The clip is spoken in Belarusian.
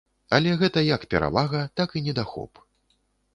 Але гэта як перавага, так і недахоп.